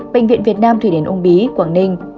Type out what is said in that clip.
bệnh viện việt nam thụy điển úng bí quảng ninh